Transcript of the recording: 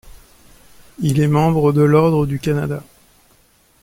Il est membre de l'Ordre du Canada.